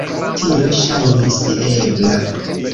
Tio ŝajnis ebla.